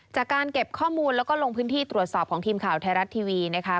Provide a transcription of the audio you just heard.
จากการเก็บข้อมูลแล้วก็ลงพื้นที่ตรวจสอบของทีมข่าวไทยรัฐทีวีนะคะ